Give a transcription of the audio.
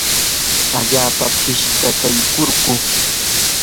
allaapa pishikaykurquu.